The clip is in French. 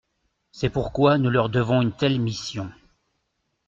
C’est pourquoi nous leur devons une telle mission.